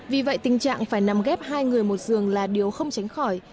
vì vậy tình trạng phải nằm ghép hai người một giường là điều không tránh khỏi